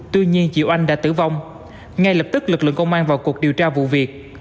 tuy nhiên chị oanh đã tử vong ngay lập tức lực lượng công an vào cuộc điều tra vụ việc